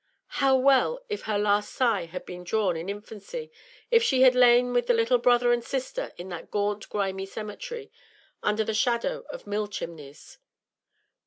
How well if her last sigh had been drawn in infancy, if she had lain with the little brother and sister in that gaunt, grimy cemetery, under the shadow of mill chimneys!